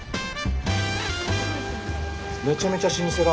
めちゃめちゃ老舗だ。